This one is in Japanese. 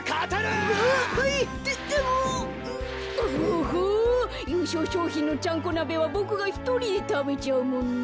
おほゆうしょうしょうひんのちゃんこなべはボクがひとりでたべちゃうもんね。